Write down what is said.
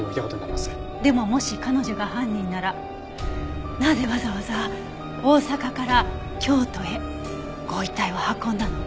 でももし彼女が犯人ならなぜわざわざ大阪から京都へご遺体を運んだの？